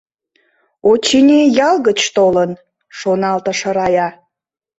«Очыни, ял гыч толын», — шоналтыш Рая.